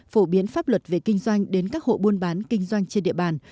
phổ biến pháp luật về kinh doanh đến các hộ buôn bán kinh doanh trên địa bàn